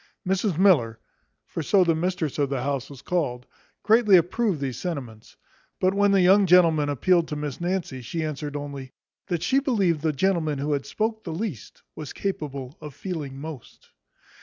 Mrs Miller (for so the mistress of the house was called) greatly approved these sentiments; but when the young gentleman appealed to Miss Nancy, she answered only, "That she believed the gentleman who had spoke the least was capable of feeling most."